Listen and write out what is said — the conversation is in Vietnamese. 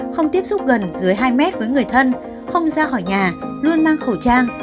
không tiếp xúc gần dưới hai mét với người thân không ra khỏi nhà luôn mang khẩu trang